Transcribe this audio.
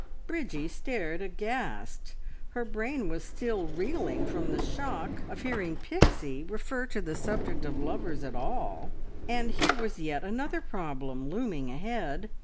Bridgie stared aghast. Her brain was still reeling from the shock of hearing Pixie refer to the subject of lovers at all, and here was yet another problem looming ahead.